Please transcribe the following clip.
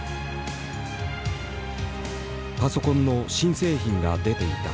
パソコンの新製品が出ていた。